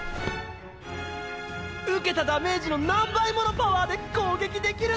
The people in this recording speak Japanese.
受けたダメージの何倍ものパワーで攻撃できるんだ！